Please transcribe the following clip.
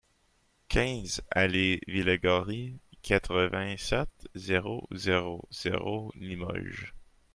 quinze alléE Villagory, quatre-vingt-sept, zéro zéro zéro, Limoges